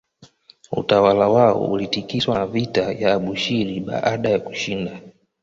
Utawala wao ulitikiswa na vita ya Abushiri baada ya kushinda